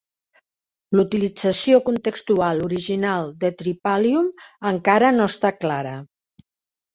La utilització contextual original de "tripalium" encara no està clara.